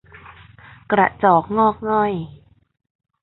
กระจอกงอกง่อย